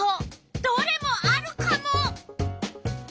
どれもあるカモ！